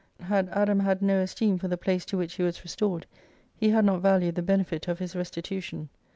Had Adam had no esteem for the place to which he was restored he had not valued the benefit of his restitution.